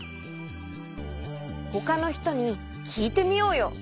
ほかのひとにきいてみようよ。